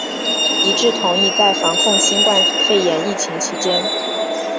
一致同意在防控新冠肺炎疫情期间